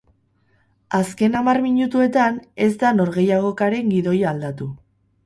Azken hamar minutuetan, ez da norgehiagokaren gidoia aldatu.